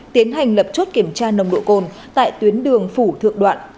tiến hành lập chốt kiểm tra nồng độ cồn tại tuyến đường phủ thượng đoạn